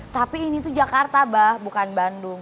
tapi ini tuh jakarta bah bukan bandung